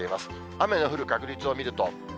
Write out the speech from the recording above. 雨の降る確率を見ると。